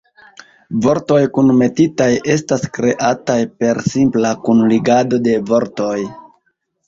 Vortoj kunmetitaj estas kreataj per simpla kunligado de vortoj.